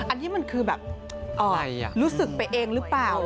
อันนี้มันคือแบบรู้สึกไปเองหรือเปล่า